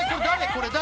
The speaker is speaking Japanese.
これ誰？